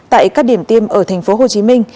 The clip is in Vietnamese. tại các điểm tiêm ở tp hcm